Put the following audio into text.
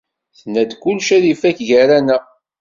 Tenna-d kullec ad ifak gar-aneɣ.